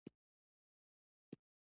هډوکي بدن ته څه ګټه لري؟